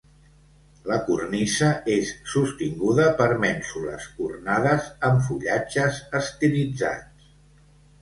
La cornisa és sostinguda per mènsules ornades amb fullatges estilitzats.